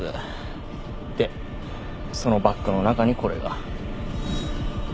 でそのバッグの中にこれが。